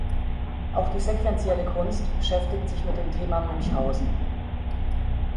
Auch die sequentielle Kunst beschäftigt sich mit dem Thema Münchhausen.